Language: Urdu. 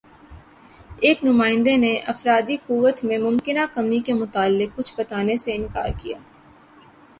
ایک نمائندے نے افرادی قوت میں ممکنہ کمی کے متعلق کچھ بتانے سے اِنکار کِیا